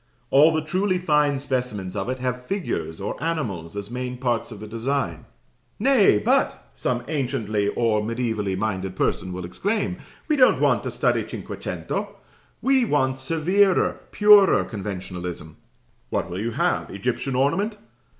All the truly fine specimens of it have figures or animals as main parts of the design. "Nay, but," some anciently or mediævally minded person will exclaim, "we don't want to study cinquecento. We want severer, purer conventionalism." What will you have? Egyptian ornament?